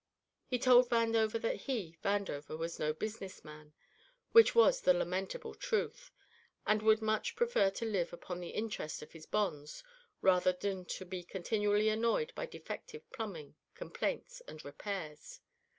He told Vandover that he Vandover was no business man, which was the lamentable truth, and would much prefer to live upon the interest of his bonds rather than to be continually annoyed by defective plumbing, complaints, and repairs.